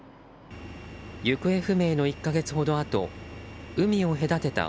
行方不明の１か月ほどあと海を隔てた